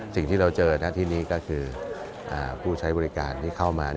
สิ่งที่เราเจอหน้าที่นี้ก็คือผู้ใช้บริการที่เข้ามา